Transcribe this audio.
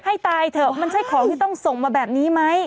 ให้ตายเถอะมันใช่ของที่ต้องส่งมาแบบนี้ไหม